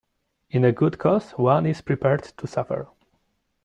In a good cause one is prepared to suffer.